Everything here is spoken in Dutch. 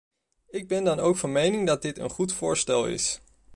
Ik ben dan ook van mening dat dit een goed voorstel is.